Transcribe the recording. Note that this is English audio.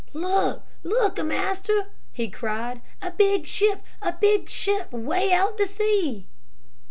"Look, look, O Master!" he cried, "a big ship; a big ship way out on the sea!"